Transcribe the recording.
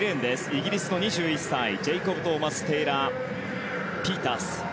イギリスの２１歳ジェイコブ・トーマス・テイラー・ピータース。